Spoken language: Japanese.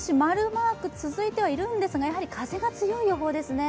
○マーク続いてはいるんですがやはり風が強い予報ですね。